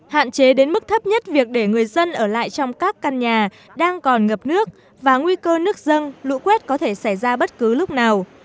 hạn chế đến mức thấp nhất việc để người dân ở lại trong các căn nhà đang còn ngập nước và nguy cơ nước dâng lũ quét có thể xảy ra bất cứ lúc nào